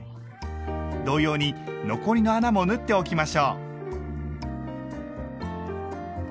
同様に残りの穴も縫っておきましょう。